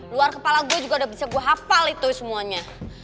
luar kepala gue juga udah bisa gue hafal itu semuanya